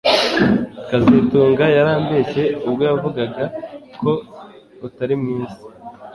kazitunga yarambeshye ubwo yavugaga ko utari mwiza